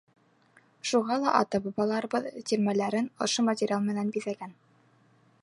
Шуға ла ата-бабаларыбыҙ тирмәләрен ошо материал менән биҙәгән.